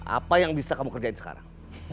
apa yang bisa kamu kerjain sekarang